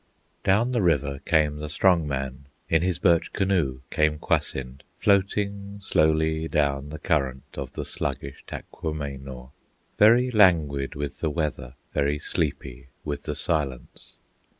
Down the river came the Strong Man, In his birch canoe came Kwasind, Floating slowly down the current Of the sluggish Taquamenaw, Very languid with the weather, Very sleepy with the silence.